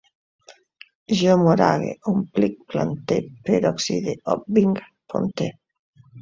Jo morague, òmplic, plante, peroxide, obvinc, ponte